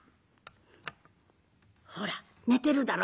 「ほら寝てるだろ？」。